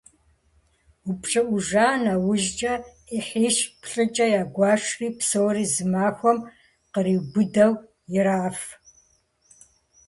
УпщӀыӀужа нэужькӀэ Ӏыхьищ-плӏыкӏэ ягуэшри, псори зы махуэм къриубыдэу ираф.